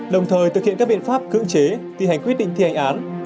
đồng thời thực hiện các biện pháp cưỡng chế thi hành quyết định thi hành án